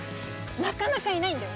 なかなかいないんだよ